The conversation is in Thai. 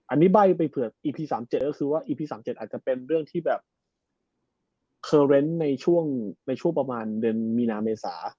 อันนี้ใบ้ไปเผื่ออีพี๓๗ก็คือว่าอีพี๓๗อาจจะเป็นเรื่องที่แบบเคอร์เรนต์ในช่วงประมาณเดือนมีนาเมษา